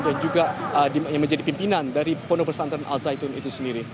dan juga yang menjadi pimpinan dari pono persantren al zaitun itu sendiri